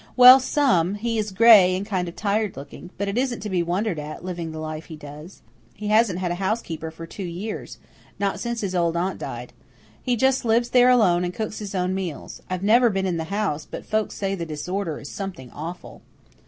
"Well, some. He is gray and kind of tired looking. But it isn't to be wondered at living the life he does. He hasn't had a housekeeper for two years not since his old aunt died. He just lives there alone and cooks his own meals. I've never been in the house, but folks say the disorder is something awful."